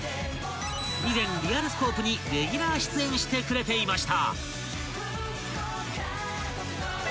［以前『リアルスコープ』にレギュラー出演してくれていました］